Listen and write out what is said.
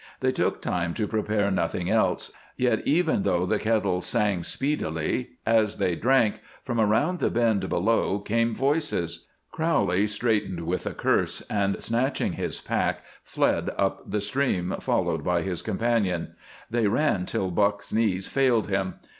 They took time to prepare nothing else, yet even though the kettle sang speedily, as they drank from around the bend below came voices. Crowley straightened with a curse and, snatching his pack, fled up the stream, followed by his companion. They ran till Buck's knees failed him.